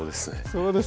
そうですか。